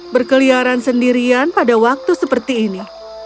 berkeliaran sendirian pada waktu seperti ini